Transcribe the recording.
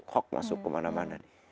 hok masuk kemana mana